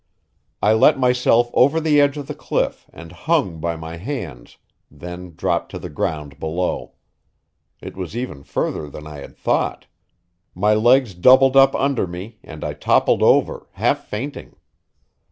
I let myself over the edge of the cliff and hung by my hands, then dropped to the ground below. It was even further than I had thought; my legs doubled up under me and I toppled over, half fainting.